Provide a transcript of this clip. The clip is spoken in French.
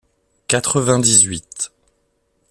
quatre-vingt-dix-huit